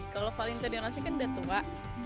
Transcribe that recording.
kalau valentino rosi kan udah tua